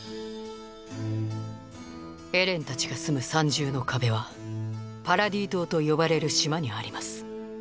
エレンたちが住む三重の壁は「パラディ島」と呼ばれる島にあります。